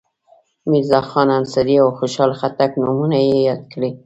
میرزاخان انصاري او خوشحال خټک نومونه یې یاد کړي.